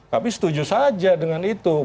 tapi setuju saja dengan itu